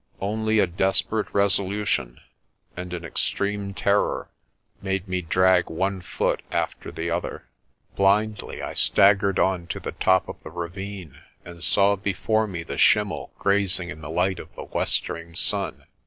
Only a desperate resolution and an extreme terror made me drag one foot after the other. 212 PRESTER JOHN Blindly I staggered on to the top of the ravine, and saw be fore me the schimmel grazing in the light of the westering sun.